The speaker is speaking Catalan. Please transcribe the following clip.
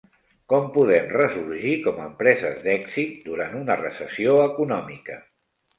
Com podem ressorgir com empreses d'èxit durant una recessió econòmica?